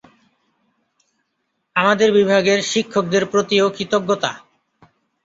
আমাদের বিভাগের শিক্ষকদের প্রতিও কৃতজ্ঞতা।